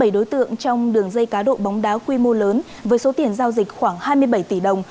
bảy đối tượng trong đường dây cá độ bóng đá quy mô lớn với số tiền giao dịch khoảng hai mươi bảy tỷ đồng